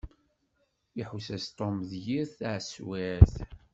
Iḥuss-as Tom d yir taswiɛt.